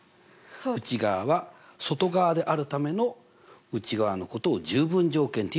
内側は外側であるための内側のことを十分条件っていう。